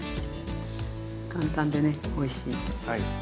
簡単でねおいしい。